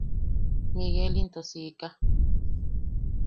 Miguel into siika.